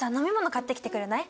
買ってきてくれない？